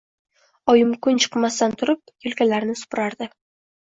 Oyim kun chiqmasdan turib yo‘lkalarni supurardi.